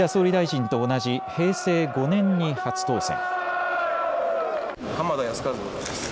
岸田総理大臣と同じ平成５年に初当選。